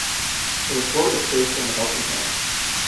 So the fort was safe from a helping hand.